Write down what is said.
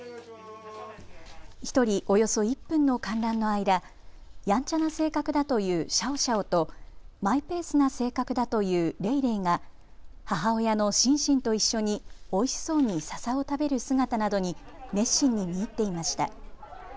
１人およそ１分の観覧の間、やんちゃな性格だというシャオシャオとマイペースな性格だというレイレイが母親のシンシンと一緒においしそうにささを食べる姿などに熱心に見入っていました。